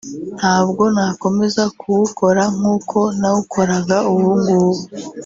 Ntabwo nakomeza kuwukora nk’uko nawukoraga ubu ngubu